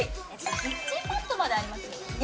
キッチンマットまでありますよ